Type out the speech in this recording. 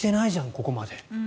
ここまで。